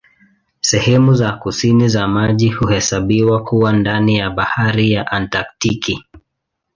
Sehemu za kusini za maji huhesabiwa kuwa ndani ya Bahari ya Antaktiki.